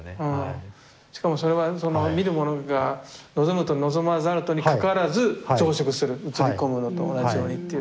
しかもそれはそれが見るものが望むと望まざるとにかかわらず増殖する映り込むのと同じようにっていう。